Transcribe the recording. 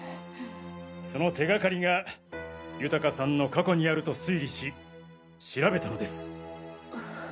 その手掛かりが豊さんの過去にあると推理し調べたのです。